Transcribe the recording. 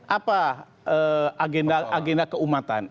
apa agenda keumatan